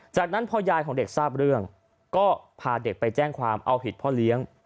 จากนั้นพอยายของเด็กทราบเรื่องก็พาเด็กไปแจ้งความเอาผิดพ่อเลี้ยง